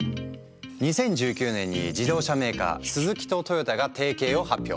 ２０１９年に自動車メーカースズキとトヨタが提携を発表。